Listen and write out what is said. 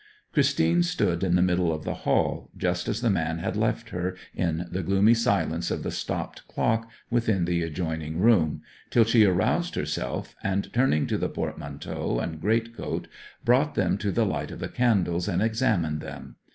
Christine stood in the middle of the hall, just as the man had left her, in the gloomy silence of the stopped clock within the adjoining room, till she aroused herself, and turning to the portmanteau and great coat brought them to the light of the candles, and examined them.